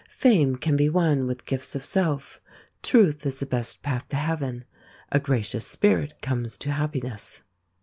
Fame can be won with gifts of self. Truth is the best path to heaven. A gracious spirit comes to happiness.